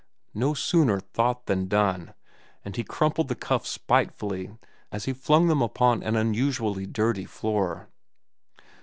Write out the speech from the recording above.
No sooner thought than done, and he crumpled the cuffs spitefully as he flung them upon an unusually dirty floor.